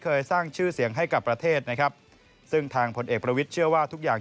สร้างชื่อเสียงให้กับประเทศนะครับซึ่งทางผลเอกประวิทย์เชื่อว่าทุกอย่าง